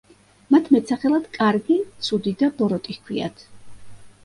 მათ მეტსახელად კარგი, ცუდი და ბოროტი ჰქვიათ.